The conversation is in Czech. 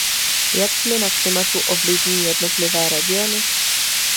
Jak změna klimatu ovlivní jednotlivé regiony?